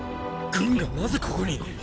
軍がなぜここに？